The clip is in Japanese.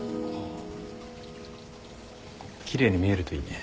奇麗に見えるといいね。